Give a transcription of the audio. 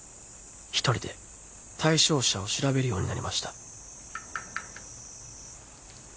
「一人で対象者を調べるようになりました」